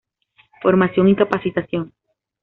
Formación y capacitación.